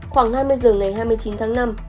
khoảng hai mươi h ngày hai mươi chín tháng năm